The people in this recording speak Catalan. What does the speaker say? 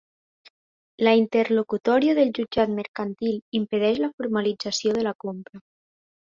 La interlocutòria del Jutjat Mercantil impedeix la formalització de la compra.